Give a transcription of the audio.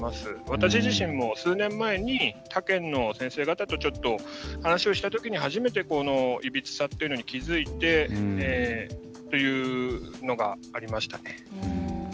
私自身も、数年前に他県の先生方とちょっと話をしたときに初めて、このいびつさというのに気付いてというのがありましたね。